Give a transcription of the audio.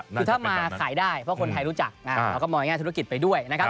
คือถ้ามาขายได้เพราะคนไทยรู้จักเราก็มองแง่ธุรกิจไปด้วยนะครับ